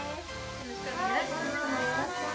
よろしくお願いします。